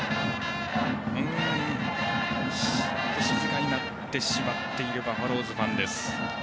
静かになってしまっているバファローズファンです。